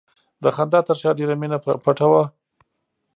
د خندا تر شا ډېره مینه پټه وي.